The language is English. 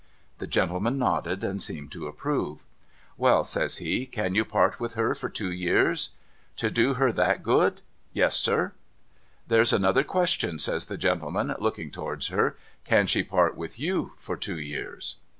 The gentleman nodded, and seemed to approve. ' Well,' says he, ' can you part with her for two years ?'' To do her tliat good, — yes, sir.' ' Tliere's another question,' says the gentleman, looking towards her, —' can she part with you for two years